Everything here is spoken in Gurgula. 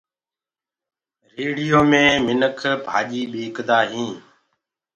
ريڙهيو مي منک ڀآڃيٚ ٻيڪدآ هينٚ